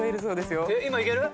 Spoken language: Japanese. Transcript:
今いける？